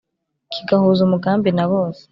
kigahuza umugambi na bose